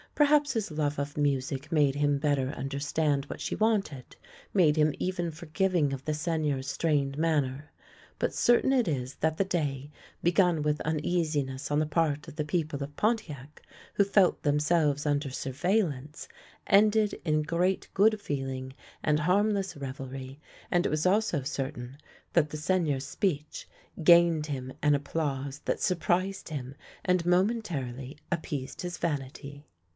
Perhaps his love of music made him better understand what she wanted, made him even forgiving of the Sei gneur's strained manner; but certain it is that the day, begun with uneasiness on the part of the people of Pontiac, who felt themselves under surveillance, ended in great good feeling and harmless revelry; and it was also certain that the Seigneur's speech gained him an applause that surprised him and momentarily appeased his vanity.